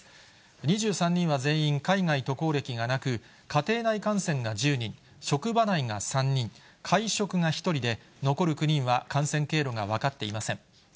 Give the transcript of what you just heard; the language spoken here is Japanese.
２３人は全員、海外渡航歴がなく、家庭内感染が１０人、職場内が３人、会食が１人で、残る９人は感染経路が分かっていません。